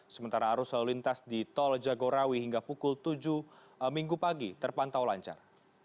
sementara arus lalu lintas di tol jagorawi hingga pukul tujuh minggu pagi terpantau lancar